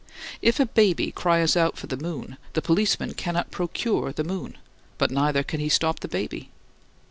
If a baby cries for the moon, the policeman cannot procure the moon but neither can he stop the baby.